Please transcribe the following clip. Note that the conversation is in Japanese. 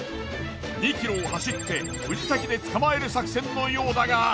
２ｋｍを走って藤崎で捕まえる作戦のようだが。